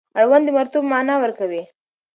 اړوند د مربوط معنا ورکوي.